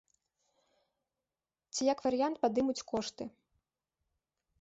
Ці, як варыянт, падымуць кошты.